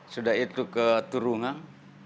sudah itu ke turungang